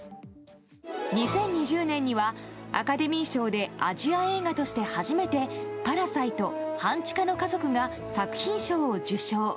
２０２０年には、アカデミー賞でアジア映画として初めて「パラサイト半地下の家族」が作品賞を受賞。